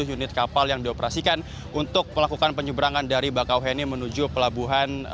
dua puluh tujuh unit kapal yang dioperasikan untuk melakukan penyeberangan dari bakau heni menuju pelabuhan